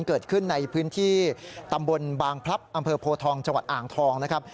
เกิดขึ้นในพื้นที่ตำบลบางพลับอำเภอโพทองจังหวัดอ่างทองนะครับ